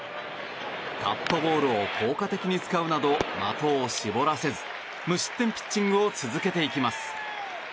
カットボールを効果的に使うなど的を絞らせず無失点ピッチングを続けていきます。